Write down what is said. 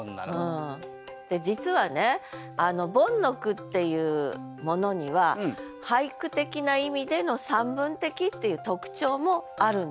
実はねボンの句っていうものには俳句的な意味での散文的っていう特徴もあるんですよ。